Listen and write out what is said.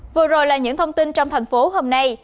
vừa rồi là những thông tin trong thành phố hôm nay